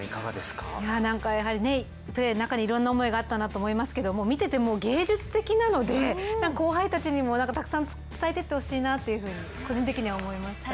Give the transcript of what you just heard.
やはりプレーの中でいろいろな思いがあったんだなと思いますが、見ていて、芸術的なので、後輩たちにもたくさん伝えていってほしいなというふうに個人的には思いました。